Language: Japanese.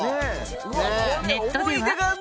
ネットでは。